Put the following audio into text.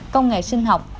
công nghệ sinh học